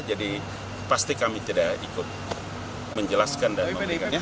jadi pasti kami tidak ikut menjelaskan dan mengundangnya